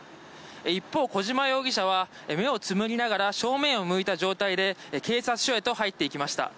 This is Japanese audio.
一方、小島容疑者は目をつむりながら正面を向いた状態で警察署へと入っていきました。